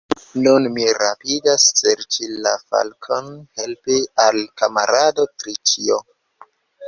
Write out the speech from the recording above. Nun ni rapidas serĉi la falkon, helpi al kamarado Triĉjo.